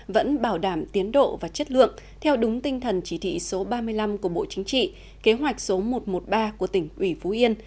vẫn bảo đảm tiến độ và chất lượng theo đúng tinh thần chỉ thị số ba mươi năm của bộ chính trị kế hoạch số một trăm một mươi ba của tỉnh ủy phú yên